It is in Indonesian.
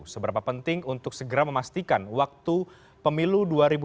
seberapa penting untuk segera memastikan waktu pemilu dua ribu dua puluh